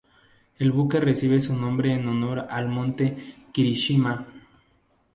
El buque recibe su nombre en honor al Monte Kirishima.